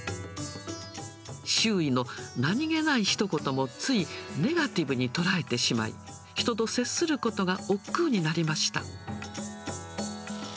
周囲の何気ないひと言もついネガティブに捉えてしまい、人と接することがおっくうになりました。